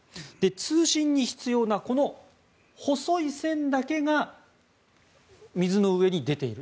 通信に必要なこの細い線だけが水の上に出ている。